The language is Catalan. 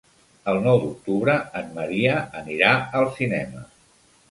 El nou d'octubre en Maria anirà al cinema.